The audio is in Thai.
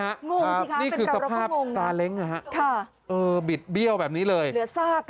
ครับนี่คือสภาพซาเล้งอ่ะค่ะเออบิดเบี้ยวแบบนี้เลยเหลือซาก